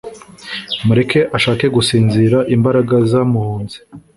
Mureke ashake gusinzira imbaraga zamuhunze